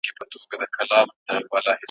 دغه ځوز مي له پښې وکاږه نور ستا یم `